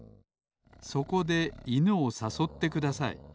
そこでいぬをさそってください